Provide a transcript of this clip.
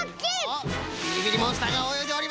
おっビリビリモンスターがおよいでおります。